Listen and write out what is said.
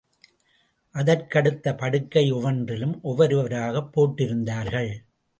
அதற்கடுத்த படுக்கை ஒவ்வொன்றிலும் ஒவ்வொருவராகப் போட்டிருந்தார்கள்.